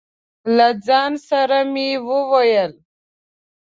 له ځانه سره مې وويل: